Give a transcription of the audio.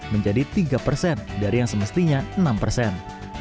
menjadi tiga persen dari yang semestinya enam persen